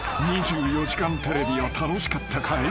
『２４時間テレビ』は楽しかったかい？］